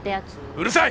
うるさい！